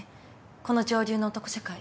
この上流の男社会。